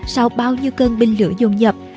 sau bao nhiêu cơn binh lửa dồn nhập